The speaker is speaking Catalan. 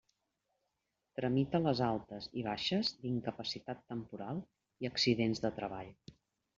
Tramita les altes i baixes d'incapacitat temporal i accidentes de treball.